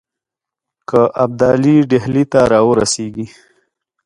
که ابدالي ډهلي ته را ورسیږي.